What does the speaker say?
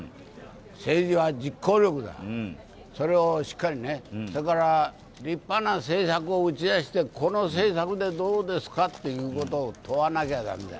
政治は実行力だよ、それをしっかりそれから立派な政策を打ち出してこの政策でどうですかってことを問わなきゃ駄目。